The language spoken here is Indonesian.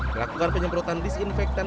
melakukan penyemprotan disinfektan